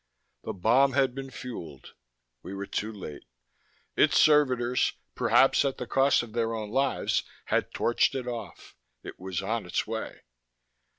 The bomb had been fueled; we were too late. Its servitors, perhaps at the cost of their own lives, had torched it off. It was on its way.